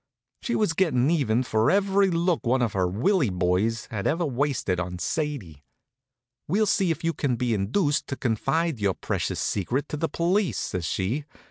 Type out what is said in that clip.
She was gettin' even for every look one of her Willie boys had ever wasted on Sadie. "We'll see if you two can be induced to confide your precious secret to the police," says she.